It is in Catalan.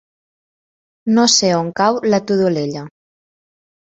No sé on cau la Todolella.